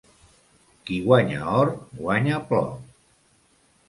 Qui guanya or, guanya plor.